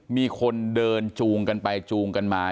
มีคนเดินจูงกันไปจูงกันมา